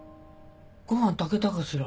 ご飯炊けたかしら。